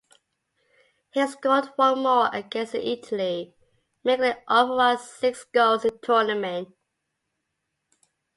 He scored one more against Italy, making it overall six goals in tournament.